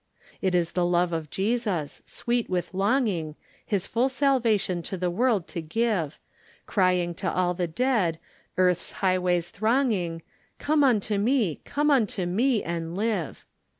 It is the love of Jesus, sweet with longing, His full salvation to the world to give, Crying to all the dead, earth's highways thronging, "Come unto Me, come unto Me, and live."